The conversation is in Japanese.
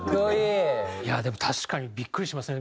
でも確かにビックリしますね